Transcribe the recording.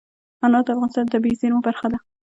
انار د افغانستان د طبیعي زیرمو برخه ده.